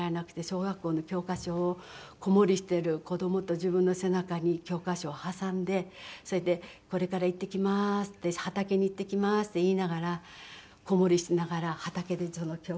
小学校の教科書を子守している子供と自分の背中に教科書を挟んでそれで「これから行ってきます」って「畑に行ってきます」って言いながら子守しながら畑でいつも教科書を読んでいて。